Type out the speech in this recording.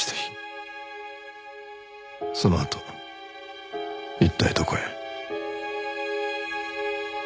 そのあと一体どこへ？